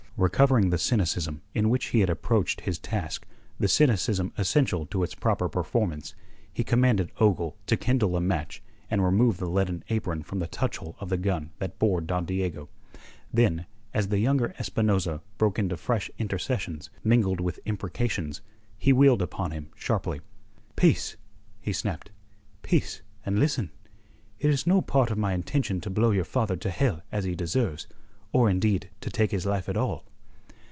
Recovering the cynicism in which he had approached his task, the cynicism essential to its proper performance, he commanded Ogle to kindle a match and remove the leaden apron from the touch hole of the gun that bore Don Diego. Then, as the younger Espinosa broke into fresh intercessions mingled with imprecations, he wheeled upon him sharply. "Peace!" he snapped. "Peace, and listen! It is no part of my intention to blow your father to hell as he deserves, or indeed to take his life at all."